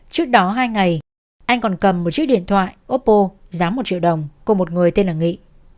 trước đó hai ngày anh còn cầm một chiếc điện thoại oppo giá một triệu đồng của một người tên là nghị